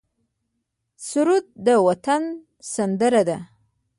سرود د وطن سندره ده